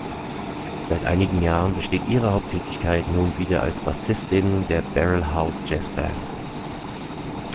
Seit einigen Jahren besteht ihre Haupttätigkeit nun wieder als Bassistin der Barrelhouse Jazzband.